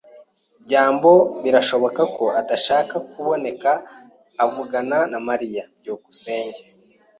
byambo birashoboka ko adashaka kuboneka avugana na Mariya. byukusenge